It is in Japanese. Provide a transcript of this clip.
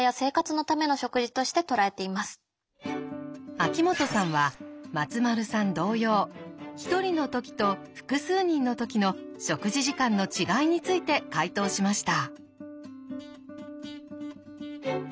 秋元さんは松丸さん同様１人の時と複数人の時の食事時間の違いについて解答しました。